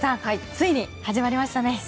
ついに始まりましたね。